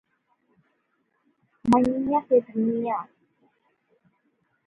Crosby was in turn cited by Perry Como.